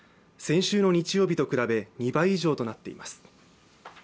先週の日曜日と比べ２倍以上となっています。